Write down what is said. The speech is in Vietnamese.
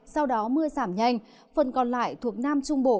sau đó mưa giảm nhanh phần còn lại thuộc nam trung bộ